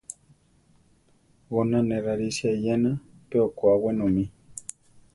Goná ne rarisia eyena pe okwá wenomí.